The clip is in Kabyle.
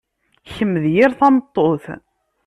Kemm d yir tameṭṭut.